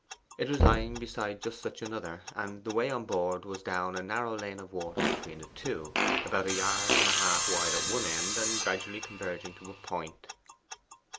It was lying beside just such another, and the way on board was down a narrow lane of water between the two, about a yard and a half wide at one end, and gradually converging to a point.